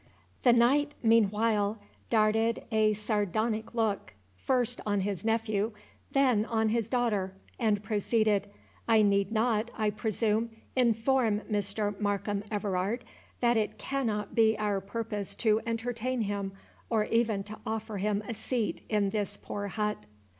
The knight meanwhile darted a sardonic look, first on his nephew, then on his daughter, and proceeded—"I need not, I presume, inform Mr. Markham Everard, that it cannot be our purpose to entertain him, or even to offer him a seat in this poor hut."